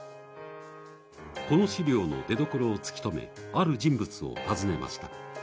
この資料の出どころを突き止め、ある人物を訪ねました。